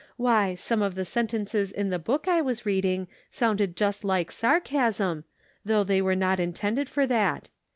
Why, some of the sentences in the book I was reading sounded just like sarcasm, though they were not intended for that.